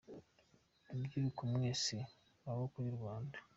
Rubyiruko mwese maboko y’u Rwanda